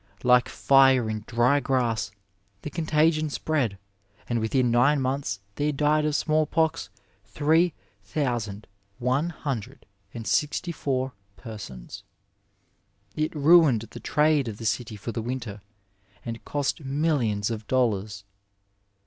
Like fire in dry grass, the con tagion spread, and within nine months there died of small pox three thousand one hundred and sixty four persons. It ruined the trade of the city for the winter, and cost millions of dollars.